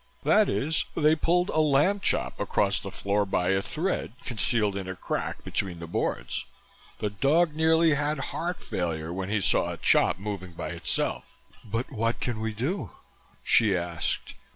That is, they pulled a lamb chop across the floor by a thread concealed in a crack between the boards. The dog nearly had heart failure when he saw a chop moving by itself." "But what can we do?" she asked.